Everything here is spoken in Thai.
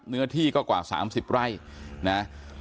เนื้อที่ก็กว่า๓๐ไร่นะ